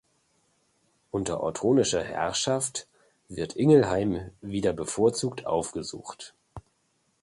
Unter ottonischer Herrschaft wird Ingelheim wieder bevorzugt aufgesucht.